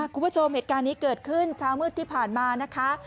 คุณผู้ชมเหตุการณ์นี้เกิดขึ้นเช้ามืดที่ผ่านมานะคะ